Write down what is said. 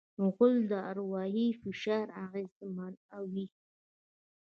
غول د اروایي فشار اغېزمنوي.